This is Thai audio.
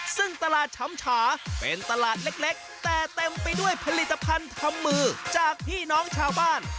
ซึ่งตลาดช้ำฉาเป็นตลาดเล็กแต่เต็มไปด้วยผลิตภัณฑ์ทำมือจากพี่น้องชาวบ้าน